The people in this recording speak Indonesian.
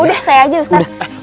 udah saya aja ustaz